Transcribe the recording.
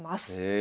え。